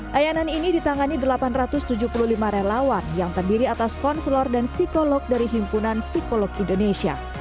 layanan ini ditangani delapan ratus tujuh puluh lima relawan yang terdiri atas konselor dan psikolog dari himpunan psikolog indonesia